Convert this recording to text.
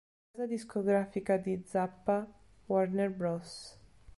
La casa discografica di Zappa, Warner Bros.